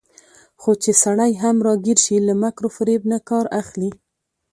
خو چې سړى هم راګېر شي، له مکر وفرېب نه کار اخلي